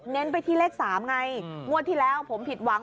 เน้นไปที่เลขสามไงอืมงวดทีแล้วผมผิดหวัง